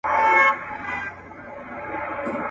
نه، نه! اور د ژوندانه سي موږ ساتلای.